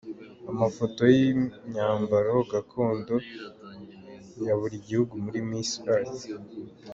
Amafoto y’imyambaro gakondo ya buri gihugu muri Miss Earth.